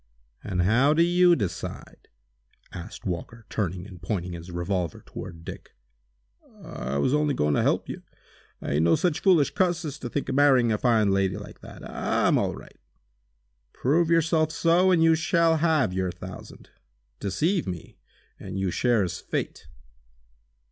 "And how do you decide?" asked Walker, turning and pointing his revolver toward Dick. "I was only goin' to help you. I ain't no such foolish cuss as to think of marrying a fine lady like that! I'm all right!" "Prove yourself so, and you shall have your thousand. Deceive me, and you share his fate!"